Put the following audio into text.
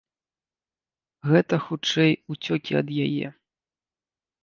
Гэта, хутчэй, уцёкі ад яе.